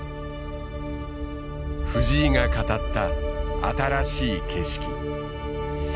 藤井が語った新しい景色。